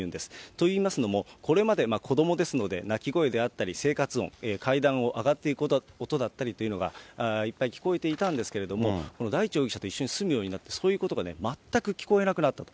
といいますのも、これまで子どもですので、泣き声であったり、生活音、階段を上がっていく音だったりというのが、いっぱい聞こえていたんですけれども、大地容疑者と住むようになって、そういうことが全く聞こえなくなったと。